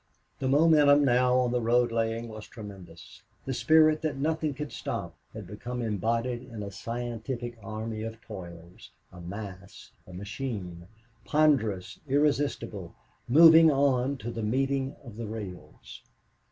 The momentum now of the road laying was tremendous. The spirit that nothing could stop had become embodied in a scientific army of toilers, a mass, a machine, ponderous, irresistible, moving on to the meeting of the rails.